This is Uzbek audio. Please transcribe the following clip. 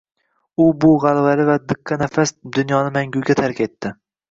U bu gʻalvali va diqqinafas dunyoni manguga tark etdi